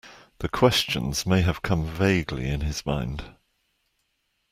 The questions may have come vaguely in his mind.